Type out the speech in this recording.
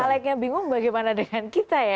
calegnya bingung bagaimana dengan kita ya